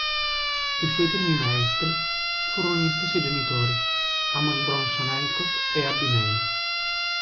I suoi primi maestri furono gli stessi genitori: Amos Bronson Alcott e Abby May.